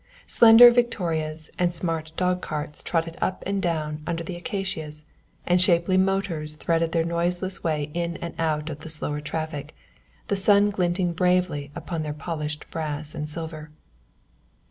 Slender victorias and smart dog carts trotted up and down under the acacias, and shapely motors threaded their noiseless way in and out of the slower traffic, the sun glinting bravely upon their polished brass and silver.